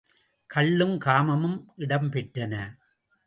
கள்ளும், காமமும் இடம் பெற்றன.